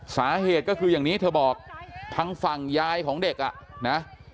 สาเหตุก็คืออย่างนี้เธอบอกทางฝั่งยายของเด็กอ่ะนะ